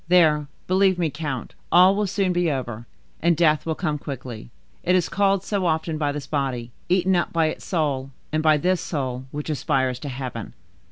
There, believe me, count, all will soon be over, and death will come quickly; it is called so often by this body, eaten up by its soul, and by this soul, which aspires to heaven."